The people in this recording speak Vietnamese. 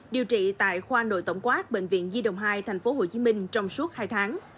điều trị tại khoa nội tổng quát bệnh viện di đồng hai tp hcm trong suốt hai tháng